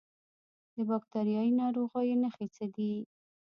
د باکتریایي ناروغیو نښې څه دي؟